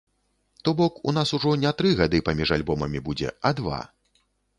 То бок у нас ужо не тры гады паміж альбомамі будзе а два.